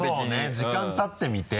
時間たってみて。